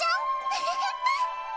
ウフフッ。